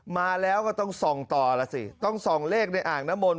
มาแล้วก็ต้องส่องต่อล่ะสิต้องส่องเลขในอ่างน้ำมนต